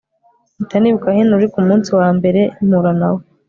mpita nibuka Henry Ku munsi wa mbere mpura nawe